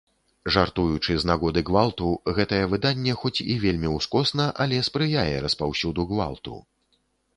Жартуючы з нагоды гвалту гэтае выданне, хоць і вельмі ўскосна, але спрыяе распаўсюду гвалту.